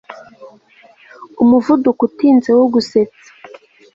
Umuvuduko utinze wo gusetsa